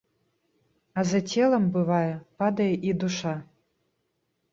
А за целам, бывае, падае і душа.